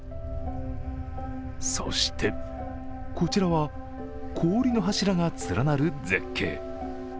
そして、こちらは氷の柱が連なる絶景。